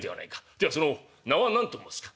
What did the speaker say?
ではその方名は何と申すか。